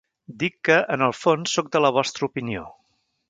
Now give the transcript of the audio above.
Dic que, en el fons, sóc de la vostra opinió.